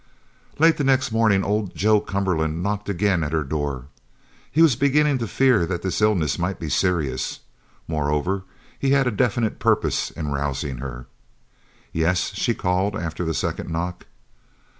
Late the next morning old Joe Cumberland knocked again at her door. He was beginning to fear that this illness might be serious. Moreover, he had a definite purpose in rousing her. "Yes?" she called, after the second knock.